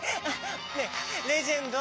ねえレジェンド！